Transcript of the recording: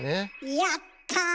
やった！